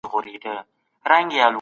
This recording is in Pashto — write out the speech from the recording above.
تاسو بايد د پوهي په ارزښت ځان پوه کړئ.